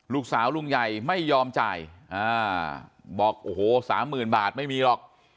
ลุงใหญ่ไม่ยอมจ่ายบอกโอ้โหสามหมื่นบาทไม่มีหรอก